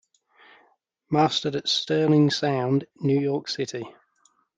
Mastered at Sterling Sound, New York City.